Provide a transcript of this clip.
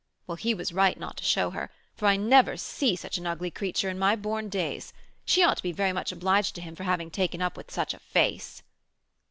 Well, he was right not to show her, for I never see such an ugly creetur in my born days. She ought to be very much obliged to him for having taken up with such a face."